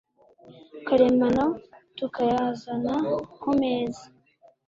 karemano tukayazana ku meza